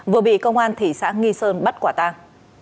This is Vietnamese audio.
vừa bị công an thị xã nghi sơn bắt quả tang